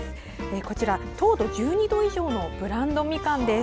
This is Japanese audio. こちら糖度が１２度以上のブランドみかんです。